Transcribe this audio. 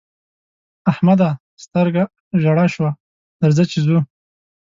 احمده! سترګه ژړه شوه؛ درځه چې ځو.